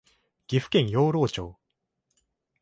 岐阜県養老町